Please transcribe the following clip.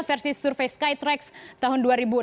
versi survei skytrax tahun dua ribu enam belas